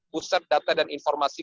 pusat data dan informasi